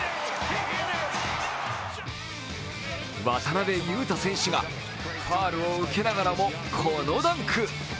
渡邊雄太選手がファウルを受けながらも、このダンク。